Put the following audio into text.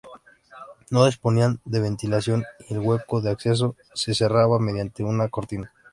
No disponían de ventilación y el hueco de acceso se cerraba mediante una cortina.